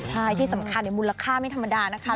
ใช่ที่สำคัญมูลค่าไม่ธรรมดานะคะ